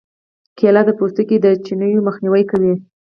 کېله د پوستکي د چینو مخنیوی کوي.